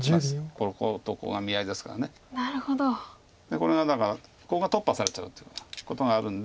これがだからここが突破されちゃうということがあるんで。